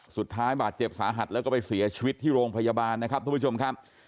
สุดท้ายบาดเจ็บสาหัสแล้วก็ไปเสียชีวิตที่โรงพยาบาลนะครับทุกผู้ชมครับ